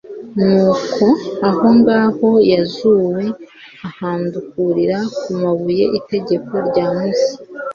nuko aho ngaho yozuwe ahandukurira ku mabuye itegeko rya musa